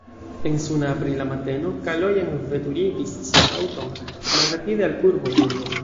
En suna aprila mateno Kalojan veturigis sian aŭton malrapide al urbo Burgo.